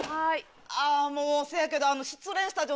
あぁもうせやけど。